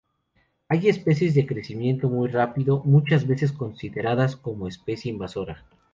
Hay especies de crecimiento muy rápido, muchas veces consideradas como especie invasora.